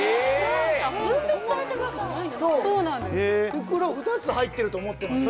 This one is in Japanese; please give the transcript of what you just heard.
袋２つ入ってると思ってました